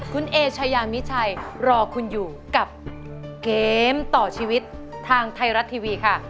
คุณเอชายามิชัยรอคุณอยู่กับเกมต่อชีวิตทางไทยรัฐทีวีค่ะ